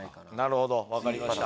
なるほど分かりました。